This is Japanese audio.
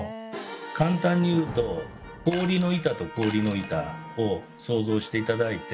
簡単に言うと氷の板と氷の板を想像して頂いて。